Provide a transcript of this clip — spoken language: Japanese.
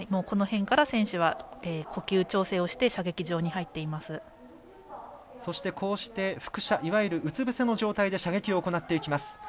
この辺から選手は呼吸調整をして射撃場に入っています。